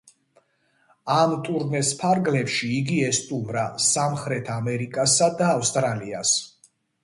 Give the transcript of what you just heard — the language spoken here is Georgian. ამ ტურნეს ფარგლებში იგი ესტუმრა სამხრეთ ამერიკასა და ავსტრალიას.